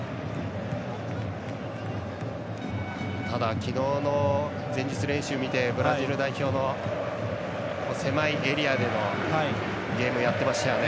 昨日の前日練習を見てブラジル代表の狭いエリアでのゲームをやっていましたよね。